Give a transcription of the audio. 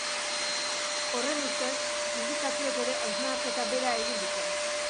Horren ustez, sindikatuek ere hausnarketa bera egiten dute.